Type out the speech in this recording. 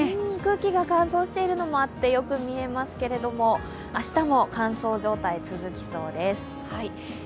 空気が乾燥しているのもあってよく見えますけれども、明日も乾燥状態が続きそうです。